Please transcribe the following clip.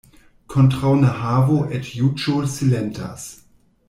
Kontraŭ nehavo eĉ juĝo silentas.